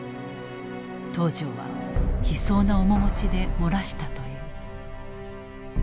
東條は悲壮な面持ちで漏らしたという。